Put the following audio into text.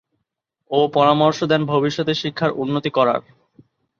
ও পরামর্শ দেন ভবিষ্যতে শিক্ষার উন্নতি করার।